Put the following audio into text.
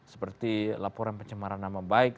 seperti laporan pencemaran nama baik